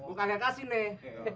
bukannya kasih nih